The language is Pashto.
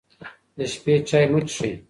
د شپې چای مه څښئ.